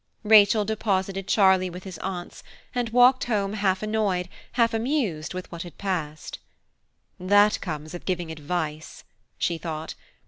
Rachel deposited Charlie with his aunts, and walked home half annoyed, half amused with what had passed. "That comes of giving advice," she thought.